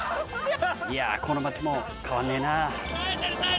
いやあ、この街も変わらないな。